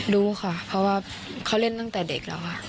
รู้ค่ะเพราะว่าเขาเล่นตั้งแต่เด็กแล้วค่ะ